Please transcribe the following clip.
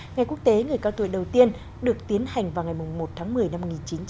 ngày quốc tế người cao tuổi đầu tiên được tiến hành vào ngày một tháng một mươi năm một nghìn chín trăm bảy mươi